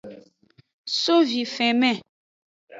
So vifenme.